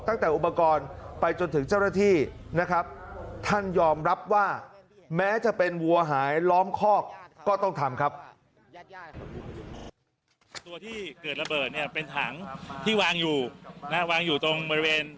ตั้งแต่อุปกรณ์ไปจนถึงเจ้าหน้าที่นะครับท่านยอมรับว่าแม้จะเป็นวัวหายล้อมคอกก็ต้องทำครับ